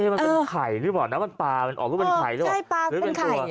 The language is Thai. มันเป็นไข่หรือเปล่านั้นมันปลามันออกลูกเป็นไข่หรือเป็นตัว